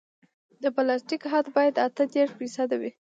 د پلاستیک حد باید اته دېرش فیصده وي